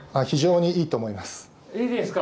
いいですか？